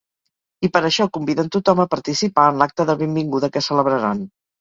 I per això conviden tothom a participar en l’acte de benvinguda que celebraran.